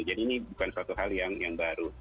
jadi ini bukan satu hal yang baru